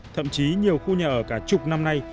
thậm chí nhiều khu nhà ở cả chục năm nay